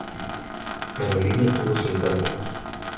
Carolina tuvo cinco hermanos.